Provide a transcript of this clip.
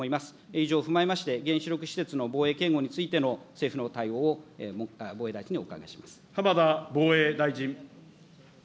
以上を踏まえまして、原子力施設の防衛、警護についての政府の対浜田防衛大臣。